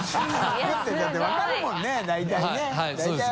だって分かるもんね大体ね。